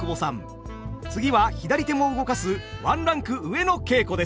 次は左手も動かすワンランク上の稽古です。